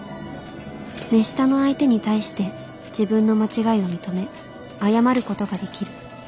目下の相手に対して自分の間違いを認め謝ることができる。